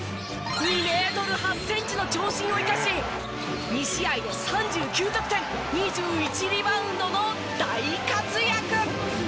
２メートル８センチの長身を生かし２試合で３９得点２１リバウンドの大活躍！